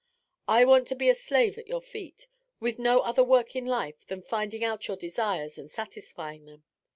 I want to be a slave at your feet, with no other work in life than finding out your desires and satisfying them.